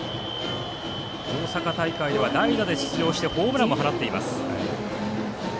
大阪大会では代打で出場してホームランも放っています。